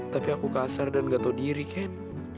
tapi aku kasar dan gak tau diri ken